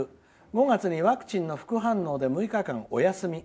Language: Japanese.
５月にワクチンの副反応で６日間お休み。